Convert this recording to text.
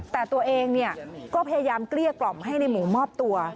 แต่ตัวเองก็พยายามเกลี้ยกล่อมให้ในหมูมอบตัว